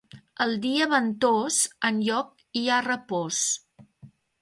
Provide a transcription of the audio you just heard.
El dia ventós, enlloc hi ha repòs.